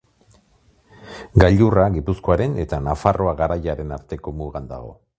Gailurra Gipuzkoaren eta Nafarroa Garaiaren arteko mugan dago.